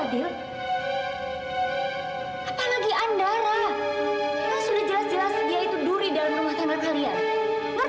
kamu sudah jelas jelas dia itu duri dalam rumah tangga kalian